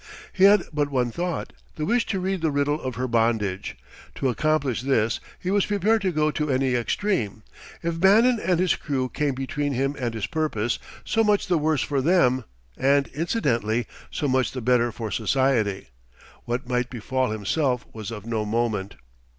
He had but one thought, the wish to read the riddle of her bondage. To accomplish this he was prepared to go to any extreme; if Bannon and his crew came between him and his purpose, so much the worse for them and, incidentally, so much the better for society. What might befall himself was of no moment.